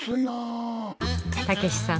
たけしさん